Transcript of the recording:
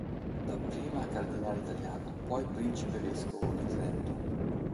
Dapprima cardinale italiano poi principe vescovo di Trento.